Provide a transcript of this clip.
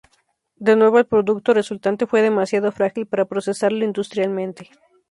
De nuevo el producto resultante fue demasiado frágil para procesarlo industrialmente.